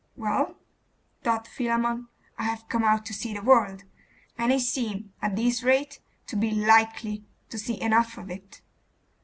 'Well,' thought Philammon, 'I have come out to see the world, and I seem, at this rate, to be likely to see enough of it.